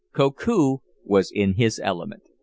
Koku was in his element.